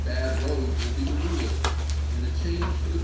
'*^''^' bad roads will be the rule, and a change for the Vol.